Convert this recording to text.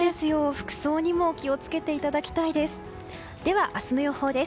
服装にも気を付けていただきたいです。